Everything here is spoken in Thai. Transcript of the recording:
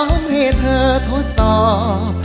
พี่พร้อมให้เธอทดสอบ